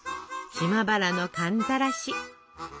島原の寒ざらし。